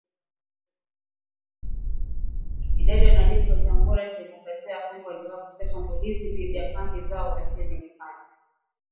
Idadi ya wanajeshi wa Jamuhuri ya Kidemokrasia ya Congo waliouawa katika shambulizi dhidi ya kambi zao haijajulikana